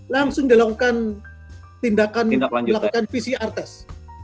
langsung dilakukan tindakan melakukan pcr test